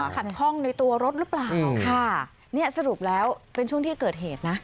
ขัดข้องในตัวรถหรือเปล่าค่ะเนี่ยสรุปแล้วเป็นช่วงที่เกิดเหตุนะ